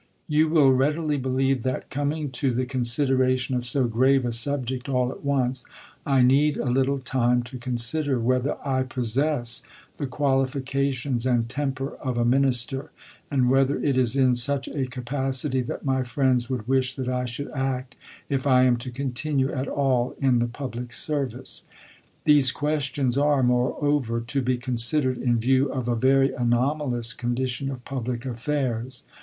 You will readily believe that, coming to the considera tion of so grave a subject all at once, I need a little time to consider whether I possess the qualifications and temper of a minister, and whether it is in such a capacity that my friends would wish that I should act if I am to continue at all in the public service. These questions are, more over, to be considered in view of a very anomalous condi tion of public affairs.